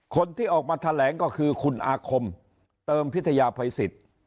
คนที่ออกมาแถลงก็คือคุณอาคมเติมพิทยาภัยสิทธิ์